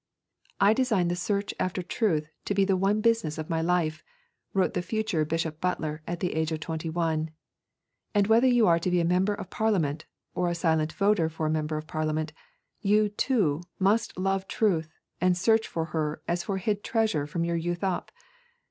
'I design the search after truth to be the one business of my life,' wrote the future Bishop Butler at the age of twenty one. And whether you are to be a member of Parliament or a silent voter for a member of Parliament, you, too, must love truth and search for her as for hid treasure from your youth up.